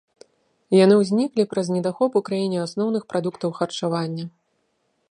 Яны ўзніклі праз недахоп у краіне асноўных прадуктаў харчавання.